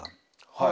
はい。